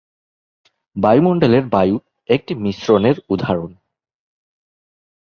বায়ুমণ্ডলের বায়ু একটি মিশ্রণে উদাহরণ।